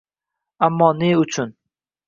Ammo ne uchun